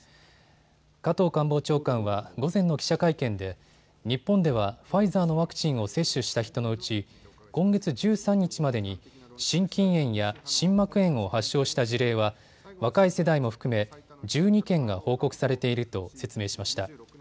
加藤官房長官は午前の記者会見で日本ではファイザーのワクチンを接種した人のうち今月１３日までに心筋炎や心膜炎を発症した事例は若い世代も含め１２件が報告されていると説明しました。